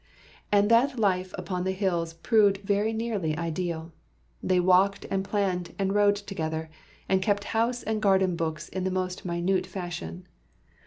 And that life upon the hills proved very nearly ideal. They walked and planned and rode together, and kept house and garden books in the most minute fashion.